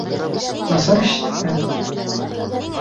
Насар ишетелә